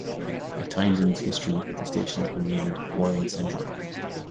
At times in its history the station has been named Worthing Central.